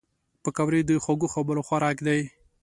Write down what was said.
پکورې د خوږو خبرو خوراک دي